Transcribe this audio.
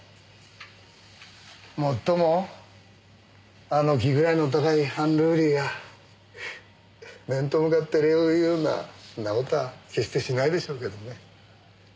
もっともあの気位の高いアンルーリーが面と向かって礼を言うようなそんな事は決してしないでしょうけどね。